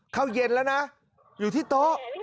เข้าเย็นแล้วนะอยู่ที่โต๊ะ